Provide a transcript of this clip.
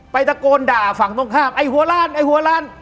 ตะโกนด่าฝั่งตรงข้ามไอ้หัวล้านไอ้หัวล้าน